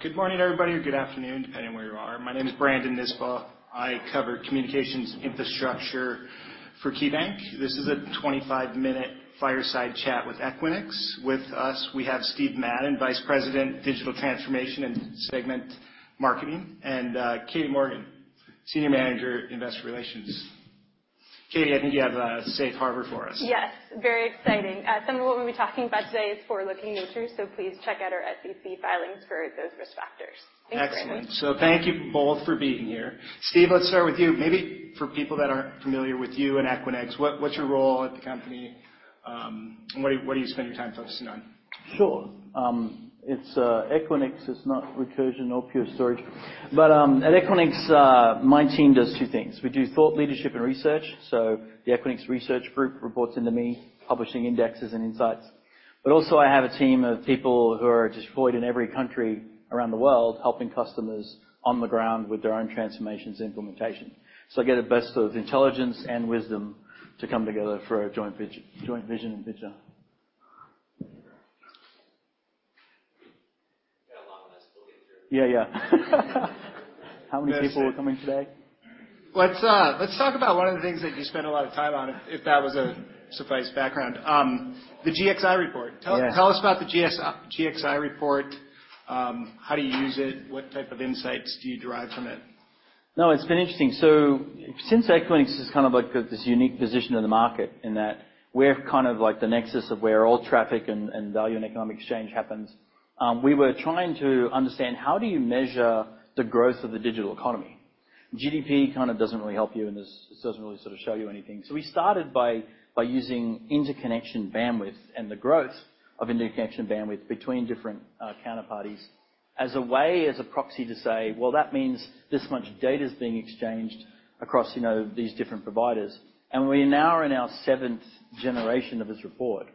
Good morning, everybody, or good afternoon, depending on where you are. My name is Brandon Nispel. I cover communications infrastructure for KeyBanc. This is a 25-minute fireside chat with Equinix. With us, we have Steve Madden, Vice President, Digital Transformation and Segment Marketing, and Katie Morgan, Senior Manager, Investor Relations. Katie, I think you have a safe harbor for us. Yes, very exciting. Some of what we'll be talking about today is forward-looking nature, so please check out our SEC filings for those risk factors. Thanks, Brandon. Excellent. Thank you both for being here. Steve, let's start with you. Maybe for people that aren't familiar with you and Equinix, what's your role at the company, and what do you spend your time focusing on? Sure. It's Equinix is not Recursion nor Pure Storage, but at Equinix, my team does two things. We do thought leadership and research, so the Equinix Research Group reports into me, publishing indexes and insights. But also I have a team of people who are deployed in every country around the world, helping customers on the ground with their own transformations implementation. So I get the best of intelligence and wisdom to come together for a joint vision, joint vision and vision. Got a lot less to look at here. Yeah, yeah. How many people were coming today? Let's, let's talk about one of the things that you spend a lot of time on, if that was a sufficient background. The GXI report. Yes. Tell us about the GXI report. How do you use it? What type of insights do you derive from it? No, it's been interesting. So since Equinix is kind of like this unique position in the market, in that we're kind of like the nexus of where all traffic and value and economic exchange happens, we were trying to understand, how do you measure the growth of the digital economy? GDP kind of doesn't really help you in this. It doesn't really sort of show you anything. So we started by using interconnection bandwidth and the growth of interconnection bandwidth between different counter-parties as a way, as a proxy to say, "Well, that means this much data is being exchanged across, you know, these different providers." And we now are in our seventh generation of this report,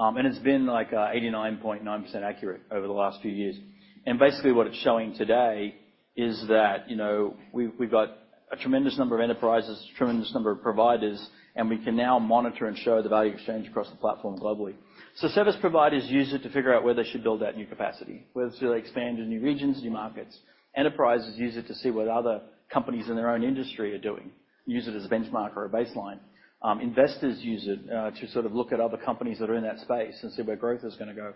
and it's been, like, 89.9% accurate over the last few years. And basically, what it's showing today is that, you know, we've got a tremendous number of enterprises, a tremendous number of providers, and we can now monitor and show the value exchange across the platform globally. So service providers use it to figure out where they should build that new capacity, whether to really expand into new regions, new markets. Enterprises use it to see what other companies in their own industry are doing, use it as a benchmark or a baseline. Investors use it to sort of look at other companies that are in that space and see where growth is going to go.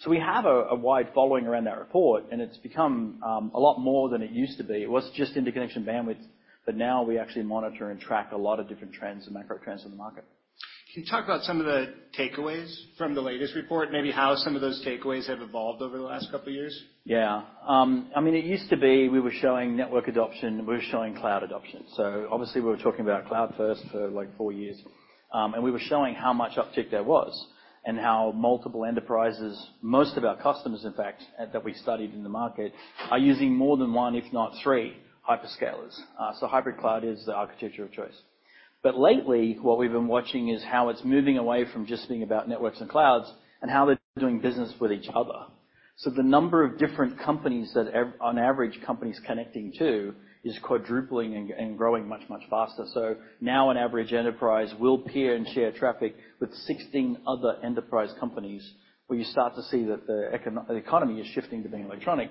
So we have a wide following around that report, and it's become a lot more than it used to be. It was just interconnection bandwidth, but now we actually monitor and track a lot of different trends and macro trends in the market. Can you talk about some of the takeaways from the latest report, maybe how some of those takeaways have evolved over the last couple of years? Yeah. I mean, it used to be we were showing network adoption, we were showing cloud adoption, so obviously we were talking about cloud first for, like, four years. And we were showing how much uptick there was and how multiple enterprises, most of our customers, in fact, that we studied in the market, are using more than one, if not three hyperscalers. So hybrid cloud is the architecture of choice. But lately, what we've been watching is how it's moving away from just being about networks and clouds and how they're doing business with each other. So the number of different companies that on average companies connecting to, is quadrupling and growing much, much faster. So now an average enterprise will peer and share traffic with 16 other enterprise companies, where you start to see that the economy is shifting to being electronic.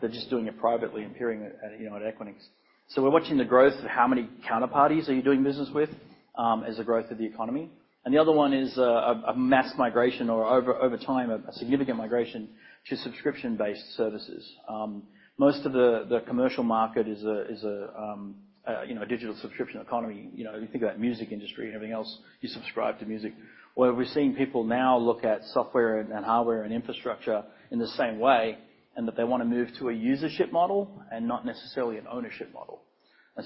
They're just doing it privately and peering at, you know, at Equinix. So we're watching the growth of how many counter-parties are you doing business with as a growth of the economy. And the other one is a mass migration or over time, a significant migration to subscription-based services. Most of the commercial market is a you know, a digital subscription economy. You know, you think about music industry and everything else, you subscribe to music. Where we're seeing people now look at software and hardware and infrastructure in the same way, and that they want to move to a usership model and not necessarily an ownership model.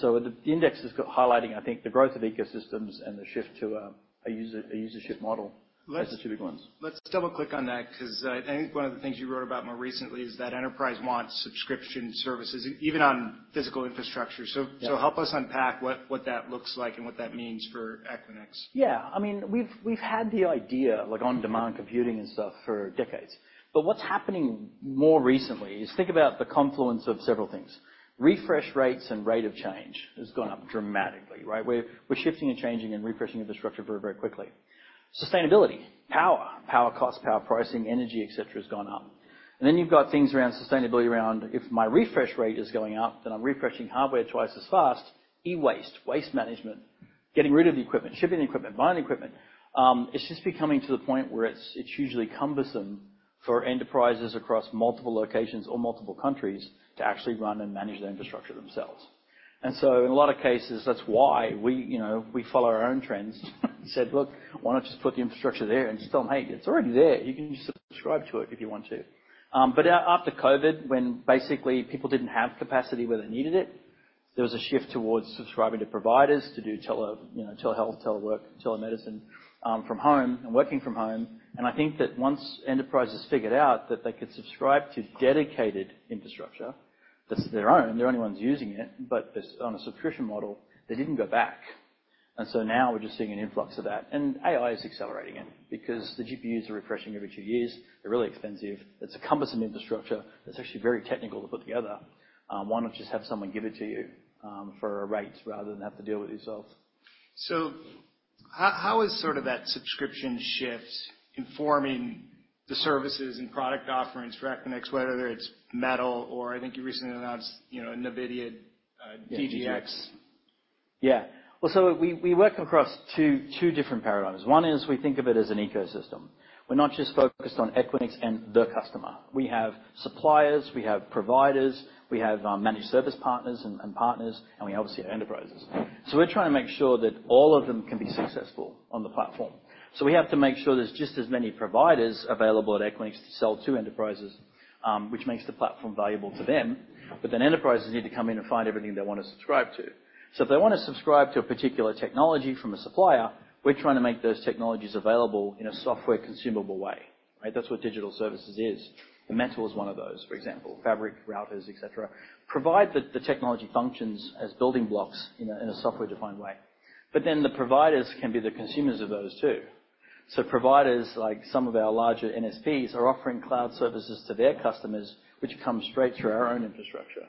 The index is highlighting, I think, the growth of ecosystems and the shift to a usership model. Those are the two big ones. Let's double-click on that, because, I think one of the things you wrote about more recently is that enterprise wants subscription services, even on physical infrastructure. Yeah. So, help us unpack what that looks like and what that means for Equinix. Yeah. I mean, we've, we've had the idea, like, on-demand computing and stuff for decades, but what's happening more recently is think about the confluence of several things. Refresh rates and rate of change has gone up dramatically, right? We're, we're shifting and changing and refreshing infrastructure very, very quickly. Sustainability, power, power cost, power pricing, energy, et cetera, has gone up. And then you've got things around sustainability, around if my refresh rate is going up, then I'm refreshing hardware twice as fast, e-waste, waste management, getting rid of the equipment, shipping the equipment, buying the equipment. It's just becoming to the point where it's, it's usually cumbersome for enterprises across multiple locations or multiple countries to actually run and manage their infrastructure themselves. And so in a lot of cases, that's why we, you know, we follow our own trends. Said, "Look, why not just put the infrastructure there?" And just tell them, "Hey, it's already there. You can just subscribe to it if you want to." but after COVID, when basically people didn't have capacity where they needed it, there was a shift towards subscribing to providers to do tele- you know, telehealth, telework, telemedicine, from home and working from home. And I think that once enterprises figured out that they could subscribe to dedicated infrastructure that's their own, they're the only ones using it, but just on a subscription model, they didn't go back. And so now we're just seeing an influx of that, and AI is accelerating it because the GPUs are refreshing every two years. They're really expensive. It's a cumbersome infrastructure that's actually very technical to put together. Why not just have someone give it to you, for a rate, rather than have to deal with it yourselves? How is sort of that subscription shift informing the services and product offerings for Equinix, whether it's Metal or I think you recently announced, you know, NVIDIA DGX? Yeah. Well, so we work across two different paradigms. One is we think of it as an ecosystem. We're not just focused on Equinix and the customer. We have suppliers, we have providers, we have managed service partners and partners, and we obviously have enterprises. So we're trying to make sure that all of them can be successful on the platform. So we have to make sure there's just as many providers available at Equinix to sell to enterprises, which makes the platform valuable to them, but then enterprises need to come in and find everything they want to subscribe to. So if they want to subscribe to a particular technology from a supplier, we're trying to make those technologies available in a software consumable way, right? That's what Digital Services is. And Metal is one of those, for example, Fabric, routers, et cetera. The technology functions as building blocks in a software-defined way. But then the providers can be the consumers of those, too. So providers, like some of our larger NSPs, are offering cloud services to their customers, which come straight through our own infrastructure.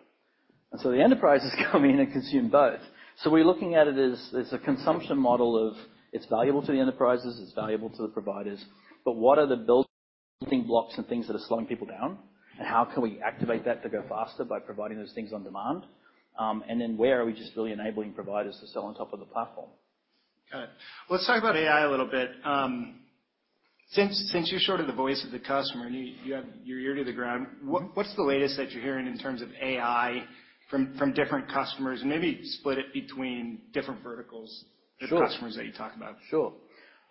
And so the enterprises come in and consume both. So we're looking at it as a consumption model of it's valuable to the enterprises, it's valuable to the providers, but what are the building blocks and things that are slowing people down? And how can we activate that to go faster by providing those things on demand? And then where are we just really enabling providers to sell on top of the platform? Got it. Well, let's talk about AI a little bit. Since you're sort of the voice of the customer, and you have your ear to the ground, what's the latest that you're hearing in terms of AI from different customers? And maybe split it between different verticals. Sure. the customers that you talk about. Sure.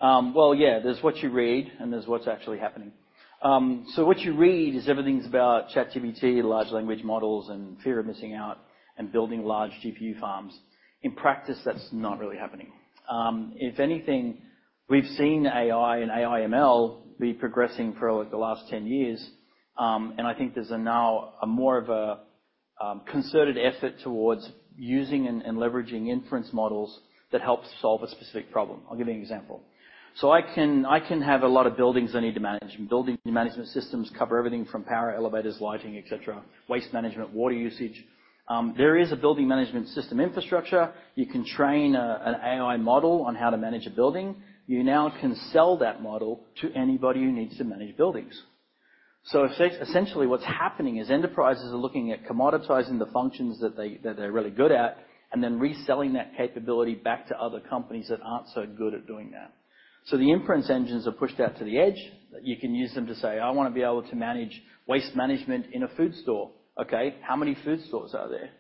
Well, yeah, there's what you read and there's what's actually happening. So what you read is everything's about ChatGPT, large language models, and fear of missing out and building large GPU farms. In practice, that's not really happening. If anything, we've seen AI and AI ML be progressing for, like, the last 10 years, and I think there's now more of a concerted effort towards using and, and leveraging inference models that help solve a specific problem. I'll give you an example. So I can, I can have a lot of buildings I need to manage, and building management systems cover everything from power, elevators, lighting, et cetera, waste management, water usage. There is a building management system infrastructure. You can train an AI model on how to manage a building. You now can sell that model to anybody who needs to manage buildings. So essentially, what's happening is enterprises are looking at commoditizing the functions that they, that they're really good at, and then reselling that capability back to other companies that aren't so good at doing that. So the inference engines are pushed out to the edge, that you can use them to say, "I want to be able to manage waste management in a food store." Okay, how many food stores are there?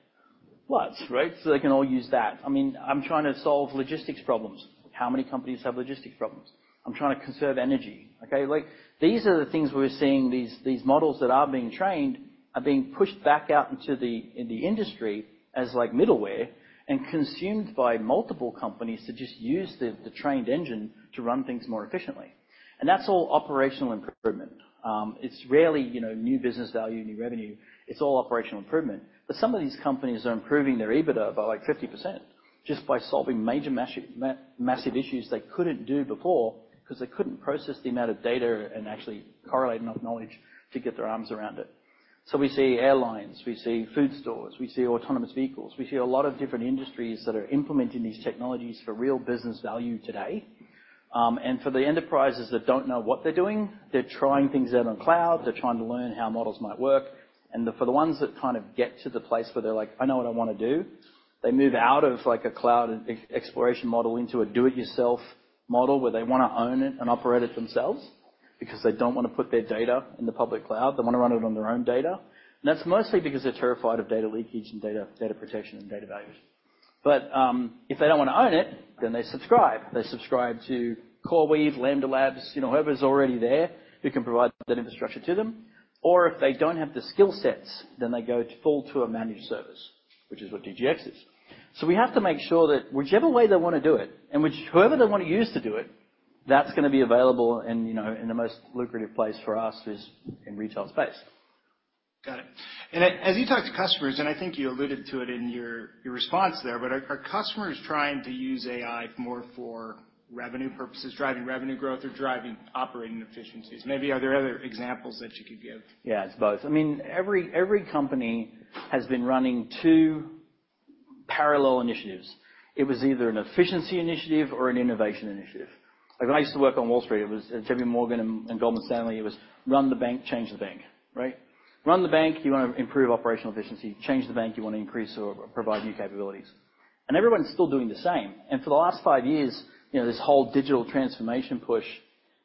Lots, right? So they can all use that. I mean, I'm trying to solve logistics problems. How many companies have logistics problems? I'm trying to conserve energy. Okay, like, these are the things we're seeing, these models that are being trained are being pushed back out into the industry as like middleware and consumed by multiple companies to just use the trained engine to run things more efficiently. And that's all operational improvement. It's rarely, you know, new business value, new revenue. It's all operational improvement. But some of these companies are improving their EBITDA by, like, 50% just by solving major massive issues they couldn't do before because they couldn't process the amount of data and actually correlate enough knowledge to get their arms around it. So we see airlines, we see food stores, we see autonomous vehicles. We see a lot of different industries that are implementing these technologies for real business value today. And for the enterprises that don't know what they're doing, they're trying things out on cloud. They're trying to learn how models might work. And for the ones that kind of get to the place where they're like: I know what I want to do, they move out of, like, a cloud exploration model into a do-it-yourself model, where they want to own it and operate it themselves because they don't want to put their data in the public cloud. They want to run it on their own data, and that's mostly because they're terrified of data leakage and data protection and data values. But if they don't want to own it, then they subscribe. They subscribe to CoreWeave, Lambda Labs, you know, whoever's already there, who can provide that infrastructure to them. Or if they don't have the skill sets, then they go full to a managed service, which is what DGX is. So we have to make sure that whichever way they want to do it and which- whoever they want to use to do it, that's gonna be available, and, you know, and the most lucrative place for us is in retail space. Got it. And as you talk to customers, and I think you alluded to it in your response there, but are customers trying to use AI more for revenue purposes, driving revenue growth or driving operating efficiencies? Maybe are there other examples that you could give? Yeah, it's both. I mean, every company has been running two parallel initiatives. It was either an efficiency initiative or an innovation initiative. Like, when I used to work on Wall Street, it was at JPMorgan and Goldman Sachs, it was run the bank, change the bank, right? Run the bank, you want to improve operational efficiency. Change the bank, you want to increase or provide new capabilities. And everyone's still doing the same. And for the last five years, you know, this whole digital transformation push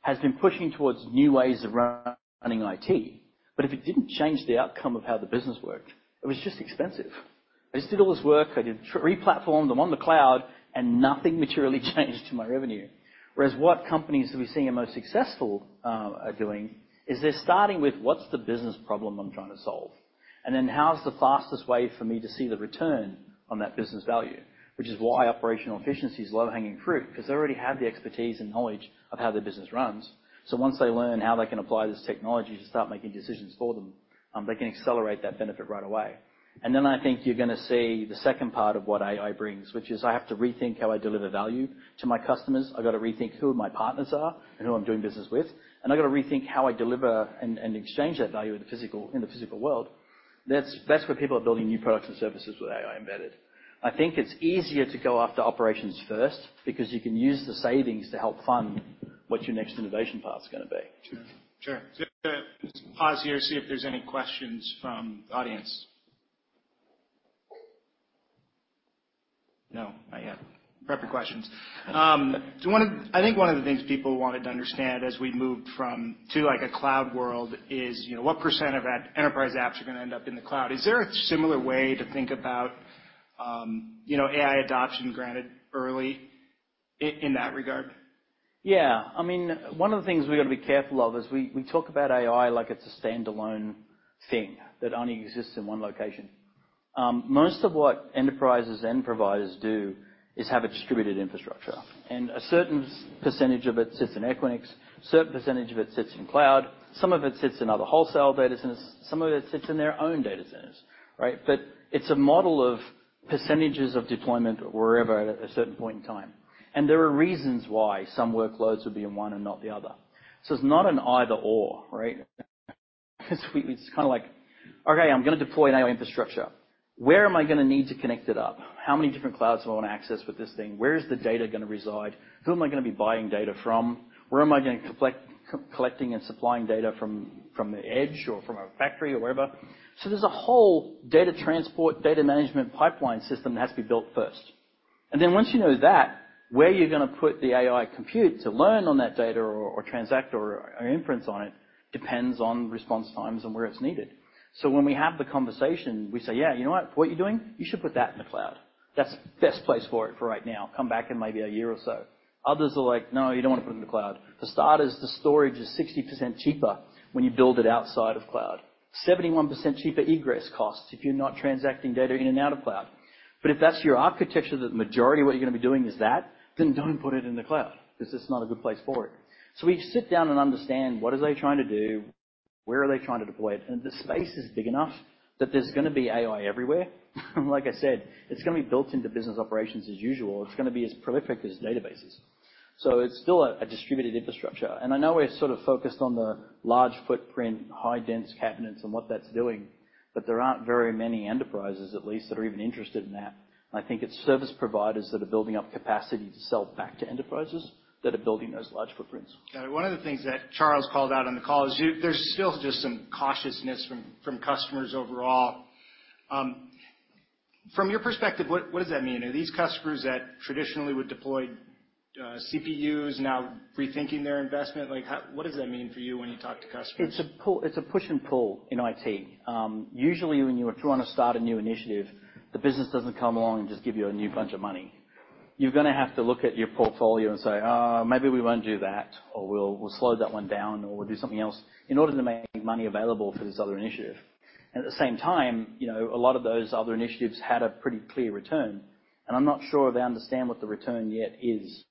has been pushing towards new ways of running IT. But if it didn't change the outcome of how the business worked, it was just expensive. I just did all this work. I did, re-platformed them on the cloud, and nothing materially changed to my revenue. Whereas, what companies that we're seeing are most successful are doing is they're starting with: What's the business problem I'm trying to solve? And then, how's the fastest way for me to see the return on that business value? Which is why operational efficiency is low-hanging fruit, because they already have the expertise and knowledge of how their business runs. So once they learn how they can apply this technology to start making decisions for them, they can accelerate that benefit right away. And then, I think you're gonna see the second part of what AI brings, which is, I have to rethink how I deliver value to my customers. I've got to rethink who my partners are and who I'm doing business with. And I've got to rethink how I deliver and exchange that value in the physical world. That's where people are building new products and services with AI embedded. I think it's easier to go after operations first, because you can use the savings to help fund what your next innovation path is gonna be. Sure. Sure. Just pause here, see if there's any questions from audience. No, not yet. Prep your questions. So I think one of the things people wanted to understand as we moved to, like, a cloud world is, you know, what percent of that enterprise apps are gonna end up in the cloud? Is there a similar way to think about, you know, AI adoption, granted early, in that regard? Yeah. I mean, one of the things we've got to be careful of is we talk about AI like it's a standalone thing that only exists in one location. Most of what enterprises and providers do is have a distributed infrastructure, and a certain percentage of it sits in Equinix, a certain percentage of it sits in cloud, some of it sits in other wholesale data centers, some of it sits in their own data centers, right? But it's a model of percentages of deployment wherever at a certain point in time. And there are reasons why some workloads would be in one and not the other. So it's not an either/or, right? It's kinda like: Okay, I'm gonna deploy an AI infrastructure. Where am I gonna need to connect it up? How many different clouds do I want to access with this thing? Where is the data gonna reside? Who am I gonna be buying data from? Where am I getting collecting and supplying data from, from the edge or from a factory or wherever? So there's a whole data transport, data management pipeline system that has to be built first. And then once you know that, where you're gonna put the AI compute to learn on that data or, or transact or, or inference on it, depends on response times and where it's needed. So when we have the conversation, we say, "Yeah, you know what? What you're doing, you should put that in the cloud. That's the best place for it for right now. Come back in maybe a year or so." Others are like, "No, you don't want to put it in the cloud." For starters, the storage is 60% cheaper when you build it outside of cloud. 71% cheaper egress costs if you're not transacting data in and out of cloud. But if that's your architecture, that the majority of what you're gonna be doing is that, then don't put it in the cloud because it's not a good place for it. So we sit down and understand what are they trying to do, where are they trying to deploy it? And the space is big enough that there's gonna be AI everywhere. Like I said, it's gonna be built into business operations as usual. It's gonna be as prolific as databases. So it's still a, a distributed infrastructure. And I know we're sort of focused on the large footprint, high dense cabinets and what that's doing, but there aren't very many enterprises, at least, that are even interested in that. I think it's service providers that are building up capacity to sell back to enterprises that are building those large footprints. One of the things that Charles called out on the call is, there's still just some cautiousness from from customers overall. From your perspective, what does that mean? Are these customers that traditionally would deploy CPUs now rethinking their investment? Like, how, what does that mean for you when you talk to customers? It's a push and pull in IT. Usually when you are trying to start a new initiative, the business doesn't come along and just give you a new bunch of money. You're gonna have to look at your portfolio and say, "Maybe we won't do that," or, "We'll slow that one down, or we'll do something else," in order to make money available for this other initiative. And at the same time, you know, a lot of those other initiatives had a pretty clear return, and I'm not sure they understand what the return yet is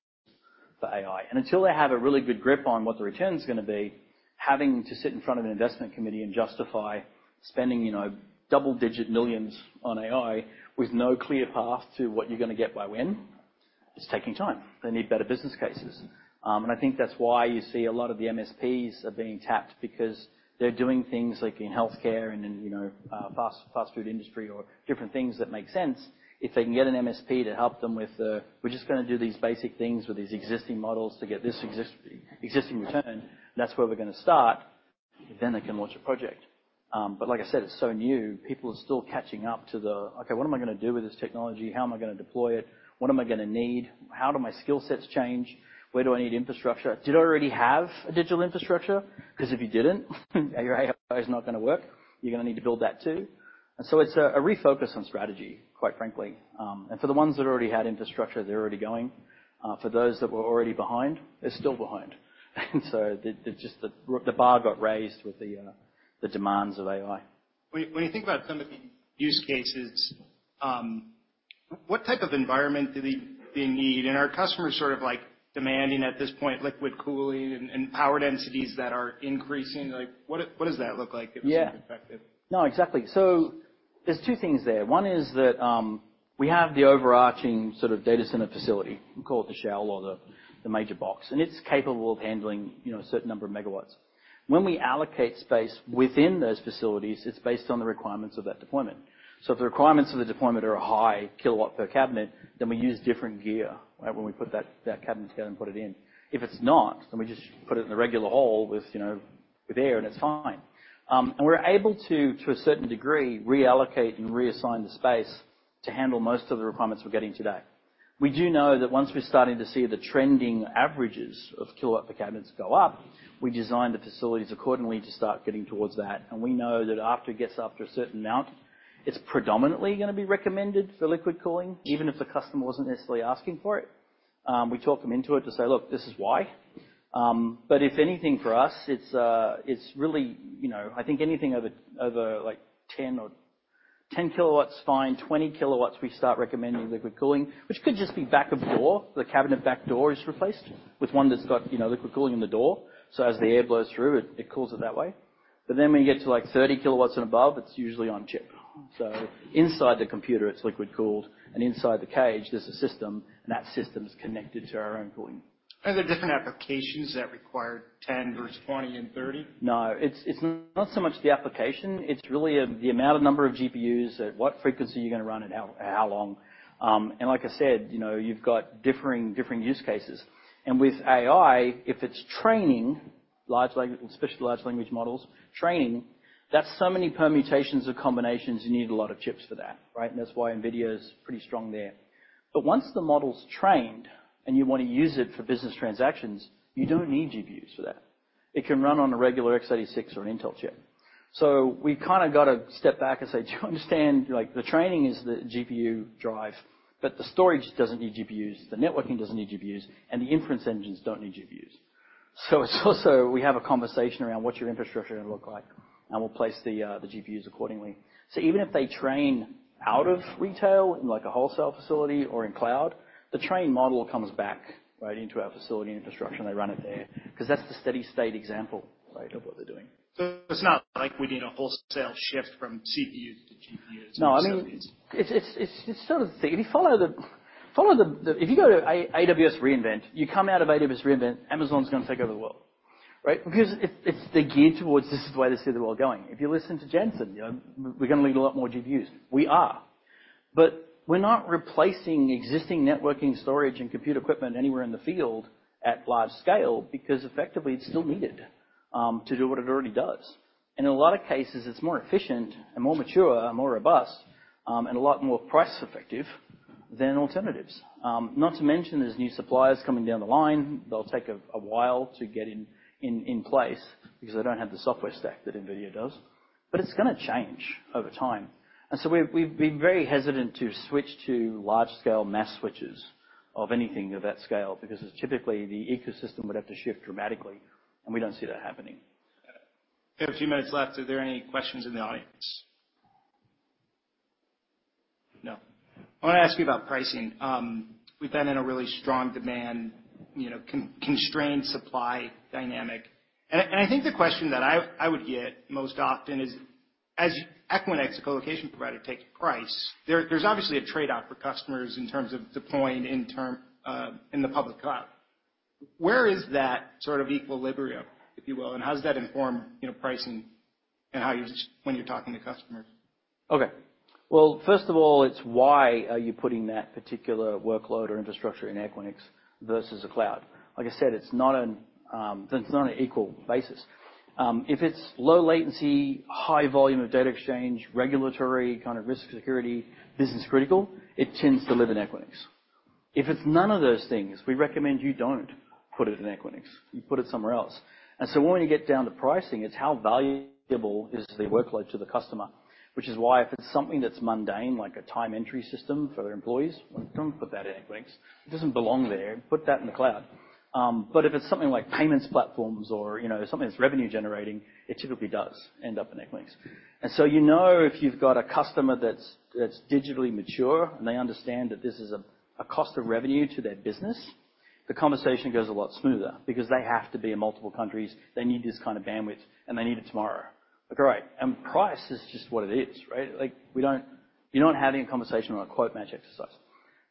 for AI. Until they have a really good grip on what the return is gonna be, having to sit in front of an investment committee and justify spending, you know, $ double-digit millions on AI with no clear path to what you're gonna get by when, it's taking time. They need better business cases. I think that's why you see a lot of the MSPs are being tapped because they're doing things like in healthcare and in, you know, fast food industry or different things that make sense. If they can get an MSP to help them with, we're just gonna do these basic things with these existing models to get this existing return, that's where we're gonna start, then they can launch a project. But like I said, it's so new. People are still catching up to the okay, what am I gonna do with this technology? How am I gonna deploy it? What am I gonna need? How do my skill sets change? Where do I need infrastructure? Do you already have a digital infrastructure? Because if you didn't, your AI is not gonna work. You're gonna need to build that, too. And so it's a refocus on strategy, quite frankly. And for the ones that already had infrastructure, they're already going. For those that were already behind, they're still behind. And so just the bar got raised with the demands of AI. When you think about some of the use cases, what type of environment do they need? And are customers sort of, like, demanding at this point, liquid cooling and power densities that are increasing? Like, what does that look like from an impactive? Yeah. No, exactly. So there's two things there. One is that we have the overarching sort of data center facility, we call it the shell or the major box, and it's capable of handling, you know, a certain number of megawatts. When we allocate space within those facilities, it's based on the requirements of that deployment. So if the requirements of the deployment are a high kW per cabinet, then we use different gear, right, when we put that cabinet together and put it in. If it's not, then we just put it in a regular hole with, you know, with air, and it's fine. And we're able to a certain degree reallocate and reassign the space to handle most of the requirements we're getting today. We do know that once we're starting to see the trending averages of kW per cabinets go up, we design the facilities accordingly to start getting towards that. We know that after it gets up to a certain amount, it's predominantly gonna be recommended for liquid cooling, even if the customer wasn't necessarily asking for it. We talk them into it to say, "Look, this is why." But if anything, for us, it's really, you know, I think anything over, like 10 kW, fine. 20 kW, we start recommending liquid cooling, which could just be back of door. The cabinet back door is replaced with one that's got, you know, liquid cooling in the door. So as the air blows through it, it cools it that way. But then when you get to, like, 30 kW and above, it's usually direct-to-chip. So inside the computer, it's liquid-cooled, and inside the cage, there's a system, and that system is connected to our own cooling. Are there different applications that require 10 versus 20 and 30? No, it's, it's not so much the application. It's really, the amount of number of GPUs, at what frequency you're going to run, and how, how long. And like I said, you know, you've got differing, differing use cases. And with AI, if it's training large, large—specialized language models, training, that's so many permutations or combinations, you need a lot of chips for that, right? And that's why NVIDIA is pretty strong there. But once the model's trained and you want to use it for business transactions, you don't need GPUs for that. It can run on a regular x86 or an Intel chip. So we've kind of got to step back and say, "Do you understand, like, the training is the GPU drive, but the storage doesn't need GPUs, the networking doesn't need GPUs, and the inference engines don't need GPUs?" So, so we have a conversation around what's your infrastructure going to look like, and we'll place the, the GPUs accordingly. So even if they train out of retail in, like, a wholesale facility or in cloud, the training model comes back, right, into our facility and infrastructure, and they run it there, because that's the steady state example, right, of what they're doing. So it's not like we need a wholesale shift from CPUs to GPUs? No, I mean, it's sort of the thing. If you follow the-- If you go to AWS re:Invent, you come out of AWS re:Invent, Amazon's going to take over the world, right? Because it's-- they're geared towards this is the way they see the world going. If you listen to Jensen, you know, we're going to need a lot more GPUs. We are, but we're not replacing existing networking, storage, and compute equipment anywhere in the field at large scale, because effectively, it's still needed to do what it already does. And in a lot of cases, it's more efficient and more mature and more robust, and a lot more price effective than alternatives. Not to mention, there's new suppliers coming down the line. They'll take a while to get in place because they don't have the software stack that NVIDIA does, but it's going to change over time. And so we've been very hesitant to switch to large-scale mass switches of anything of that scale, because typically, the ecosystem would have to shift dramatically, and we don't see that happening. We have a few minutes left. Are there any questions in the audience? No. I want to ask you about pricing. We've been in a really strong demand, you know, constrained supply dynamic, and I think the question that I would get most often is, as Equinix, a colocation provider, take price. There's obviously a trade-off for customers in terms of deploying in the public cloud. Where is that sort of equilibrium, if you will, and how does that inform, you know, pricing and how you... When you're talking to customers? Okay. Well, first of all, it's why are you putting that particular workload or infrastructure in Equinix versus a cloud? Like I said, it's not an equal basis. If it's low latency, high volume of data exchange, regulatory kind of risk security, business critical, it tends to live in Equinix. If it's none of those things, we recommend you don't put it in Equinix. You put it somewhere else. And so when you get down to pricing, it's how valuable is the workload to the customer, which is why, if it's something that's mundane, like a time entry system for their employees, don't put that in Equinix. It doesn't belong there. Put that in the cloud. But if it's something like payments platforms or, you know, something that's revenue generating, it typically does end up in Equinix. And so, you know, if you've got a customer that's digitally mature, and they understand that this is a cost of revenue to their business, the conversation goes a lot smoother because they have to be in multiple countries. They need this kind of bandwidth, and they need it tomorrow. Great. And price is just what it is, right? Like, we don't. You're not having a conversation on a quote match exercise.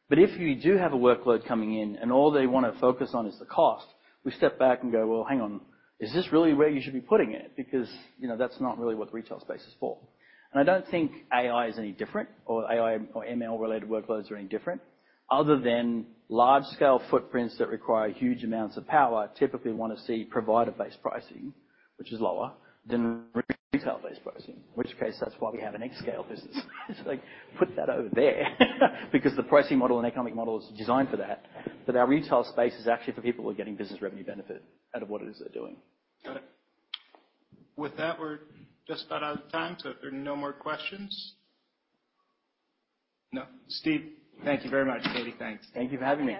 But if you do have a workload coming in, and all they want to focus on is the cost, we step back and go, "Well, hang on. Is this really where you should be putting it? Because, you know, that's not really what the retail space is for." And I don't think AI is any different or AI or ML-related workloads are any different, other than large-scale footprints that require huge amounts of power, typically want to see provider-based pricing, which is lower than retail-based pricing, in which case, that's why we have an xScale business. It's like, put that over there, because the pricing model and economic model is designed for that. But our retail space is actually for people who are getting business revenue benefit out of what it is they're doing. Got it. With that, we're just about out of time, so if there are no more questions? No. Steve, thank you very much. Katie, thanks. Thank you for having me.